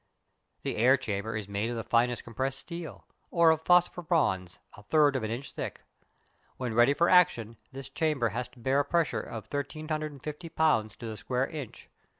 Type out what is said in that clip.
The air chamber is made of the finest compressed steel, or of phosphor bronze, a third of an inch thick. When ready for action this chamber has to bear a pressure of 1350 lbs. to the square inch.